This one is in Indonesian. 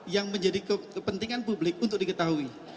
yang menjadi kepentingan publik untuk diketahui